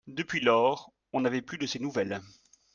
Depuis lors, on n'avait plus de ses nouvelles.